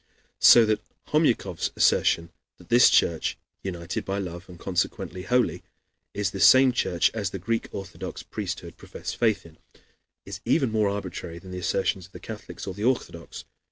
So that Homyakov's assertion that this church, united by love, and consequently holy, is the same church as the Greek Orthodox priesthood profess faith in, is even more arbitrary than the assertions of the Catholics or the Orthodox.